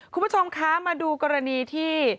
คุณผู้ชมคะมาดูกรณีที่